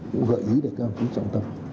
cũng gợi ý để các công chí trọng tâm